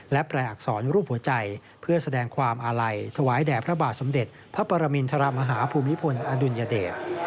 และแปลอักษรรูปหัวใจเพื่อแสดงความอาลัยถวายแด่พระบาทสมเด็จพระปรมินทรมาฮาภูมิพลอดุลยเดช